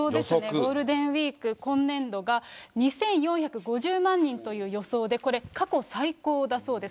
ゴールデンウィーク、今年度が２４５０万人という予想で、これ過去最高だそうです。